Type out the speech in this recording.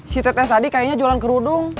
si tetes tadi kayaknya jualan kerudung